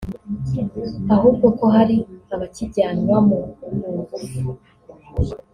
ahubwo ko hari abakijyanwamo ku ngufu